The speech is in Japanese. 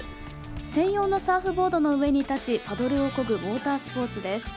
専用のサーフボードの上に立ちパドルをこぐウォータースポーツです。